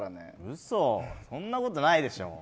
嘘そんなことないでしょ。